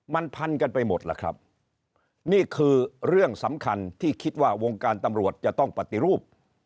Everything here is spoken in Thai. มันพันกันไปหมดล่ะครับนี่คือเรื่องสำคัญที่คิดว่าวงการตำรวจจะต้องปฏิรูป